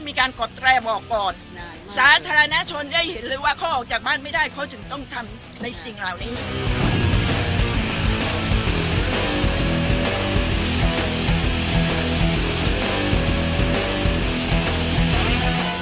กดแตรบอกก่อนสาธารณชนได้เห็นเลยว่าเขาออกจากบ้านไม่ได้เขาถึงต้องทำในสิ่งเหล่านี้